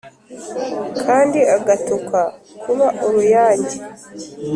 Kandi agatukwa kuba uruyange